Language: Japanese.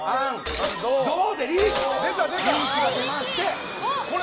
リーチが出まして。